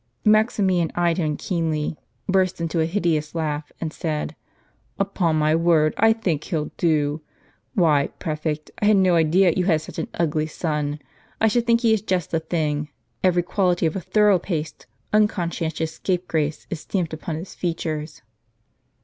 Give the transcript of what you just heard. Maximian eyed him keenly, burst into a hideous laugh, and said :" Upon my word, 1 think he'll do. Why, prefect, I had no idea you had such an ugly son. I should think he is just the thing ; every quality of a thorough paced, unconscientious scape grace is stamped upon his features."